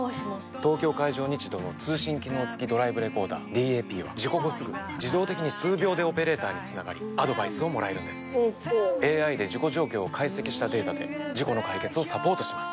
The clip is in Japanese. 東京海上日動の通信機能付きドライブレコーダーＤＡＰは事故後すぐ自動的に数秒でオペレーターにつながりアドバイスをもらえるんですＡＩで事故状況を解析したデータで事故の解決をサポートします